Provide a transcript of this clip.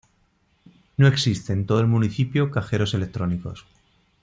No existe en todo el municipio cajeros electrónicos.